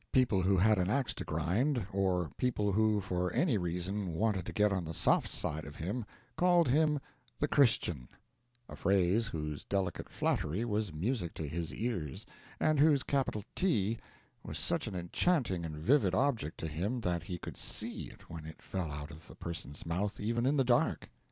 People who had an ax to grind, or people who for any reason wanted to get on the soft side of him, called him The Christian a phrase whose delicate flattery was music to his ears, and whose capital T was such an enchanting and vivid object to him that he could _see _it when it fell out of a person's mouth even in the dark.